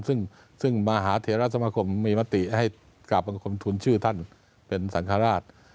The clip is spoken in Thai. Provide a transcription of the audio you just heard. ซึ่งมหาเทราสมคมมีมติให้กราบบังคมทุนชื่อท่านเป็นสังฆราช